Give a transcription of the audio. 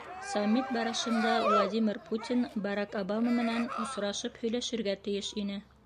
Саммит барышында Владимир Путин Барак Обама менән осрашып һөйләшергә тейеш ине.